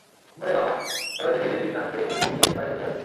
ওরে বাবা, ওরা দেখি দিব্যি কান বেয়ে ঝুড়ি ডিঙিয়ে বাইরে চলে যাচ্ছে।